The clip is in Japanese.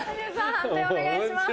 判定お願いします。